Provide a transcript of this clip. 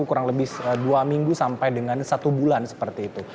kurang lebih dua minggu sampai dengan satu bulan seperti itu